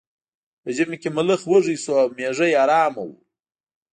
په ژمي کې ملخ وږی شو او میږی ارامه وه.